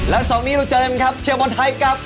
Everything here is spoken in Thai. แล้วสองนี้เราเจอกันครับเชื่อบรรทัยกับ